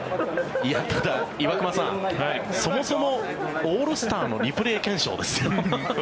ただ、岩隈さんそもそもオールスターのリプレー検証ですよ。